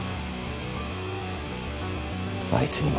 あいつにも。